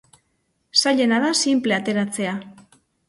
Zailena da sinple ateratzea.